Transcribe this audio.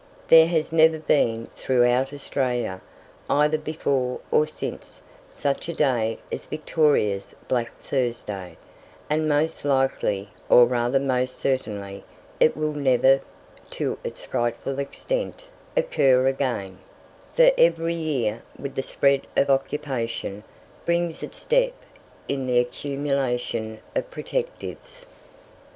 There has never been, throughout Australia, either before or since, such a day as Victoria's Black Thursday, and most likely, or rather most certainly, it will never, to its frightful extent, occur again; for every year, with the spread of occupation, brings its step in the accumulation of protectives.